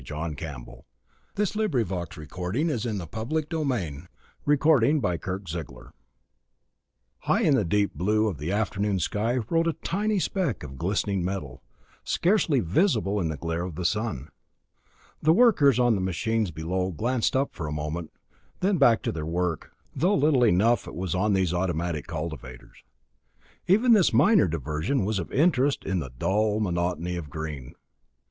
John W. Campbell, Jr. Mountainside, N.J. April, 1953 BOOK ONE PIRACY PREFERRED PROLOGUE High in the deep blue of the afternoon sky rode a tiny speck of glistening metal, scarcely visible in the glare of the sun. The workers on the machines below glanced up for a moment, then back to their work, though little enough it was on these automatic cultivators. Even this minor diversion was of interest in the dull monotony of green.